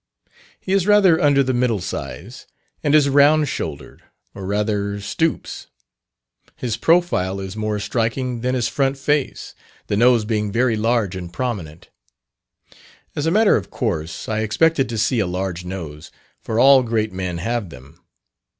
He is rather under the middle size, and is round shouldered, or rather stoops. His profile is more striking than his front face, the nose being very large and prominent. As a matter of course, I expected to see a large nose, for all great men have them.